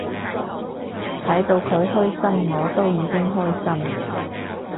睇到佢開心我都已經開心